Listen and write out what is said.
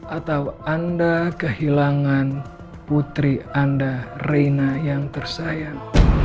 atau anda kehilangan putri anda reina yang tersayang